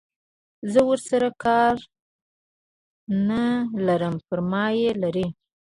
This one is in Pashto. زه ورسره کار نه لرم پر ما یې لري.